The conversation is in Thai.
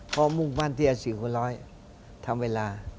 เพราะว่ามุ่งบ้านเตียง๔๖ทำเวลา